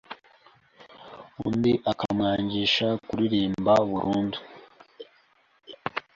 undi akamwangisha kuririmba burundu